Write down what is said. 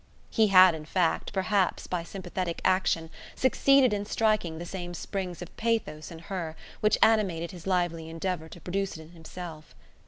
He had, in fact, perhaps by sympathetic action, succeeded in striking the same springs of pathos in her which animated his lively endeavour to produce it in himself.